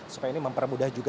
supaya ini mempermudah juga